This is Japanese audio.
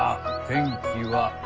天気は？